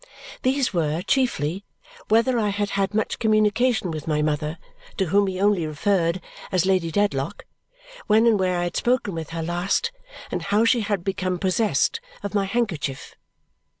These were, chiefly, whether I had had much communication with my mother (to whom he only referred as Lady Dedlock), when and where I had spoken with her last, and how she had become possessed of my handkerchief.